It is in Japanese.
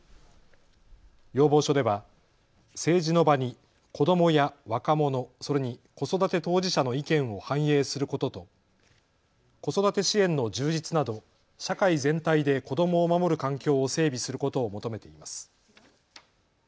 要望書では政治の場に子どもや若者、それに子育て当事者の意見を反映することと子育て支援の充実など社会全体で子どもを守る環境を整備することを求めています。